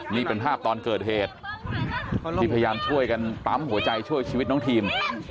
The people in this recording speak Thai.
นี่เป็นภาพตอนเกิดเหตุที่พยายามช่วยกันปั๊มหัวใจช่วยชีวิตน้องทีม